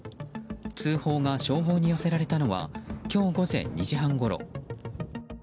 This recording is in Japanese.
通報が消防に寄せられたのは今日午前２時半ごろ。